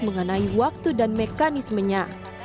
mengenai waktu dan mekanismenya